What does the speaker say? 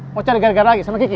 mau cari gara gara lagi sama kiki